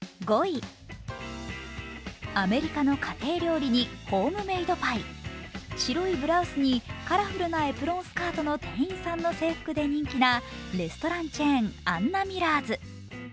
アメリカの家庭料理にホームメイドパイ、白いブラウスにカラフルなエプロンスカートの店員さんの制服で人気なレストランチェーン・アンナミラーズ。